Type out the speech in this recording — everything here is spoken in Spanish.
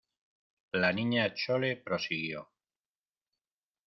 la Niña Chole prosiguió: